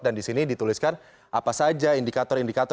dan di sini dituliskan apa saja indikator indikator